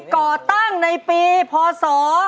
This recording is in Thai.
ก่อตั้งในปีพศ๒๕